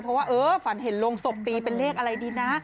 เพราะว่าเออฝันเห็นโรงศพตีเป็นเลขอะไรดีนะ